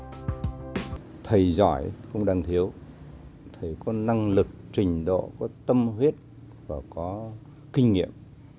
thầy giỏi cũng đang thiếu thầy có năng lực trình độ có tâm huyết và có kinh nghiệm